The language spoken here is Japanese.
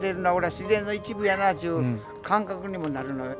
自然の一部やなあちゅう感覚にもなるのよ。